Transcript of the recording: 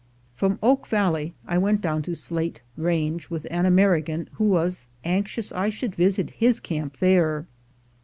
From Oak Valley I went down to Slate Range with an American who was anxious I should visit his camp there.